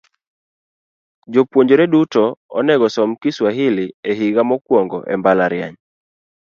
Jopuonjre duto onegosom Kiswahili e higa mokwongo e mbalariany .